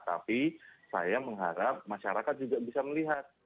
tapi saya mengharap masyarakat juga bisa melihat